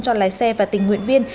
cho lái xe và tình nguyện viên